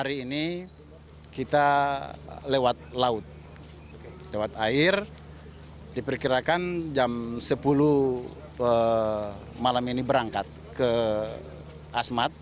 hari ini kita lewat laut lewat air diperkirakan jam sepuluh malam ini berangkat ke asmat